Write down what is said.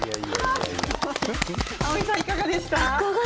蒼井さん、いかがでしたか？